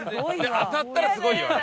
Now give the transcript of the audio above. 当たったらすごいよあれ。